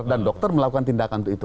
dan dokter melakukan tindakan itu